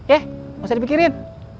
eh gak usah dipikirin